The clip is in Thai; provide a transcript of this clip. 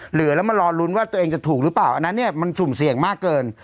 เหลือแล้วมารอลุ้นว่าตัวเองจะถูกหรือเปล่าอันนั้นเนี่ยมันสุ่มเสี่ยงมากเกิน